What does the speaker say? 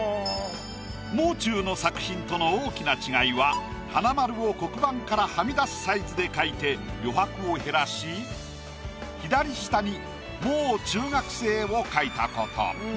もう中の作品との大きな違いは花丸を黒板からはみ出すサイズで描いて余白を減らし左下にもう中学生を描いたこと。